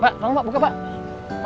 pak kamu pak buka pak